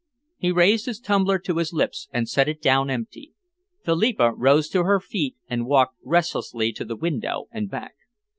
He raised his tumbler to his lips and set it down empty. Philippa rose to her feet and walked restlessly to the window and back.